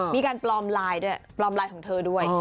มีการปลอมลายของเธอด้วย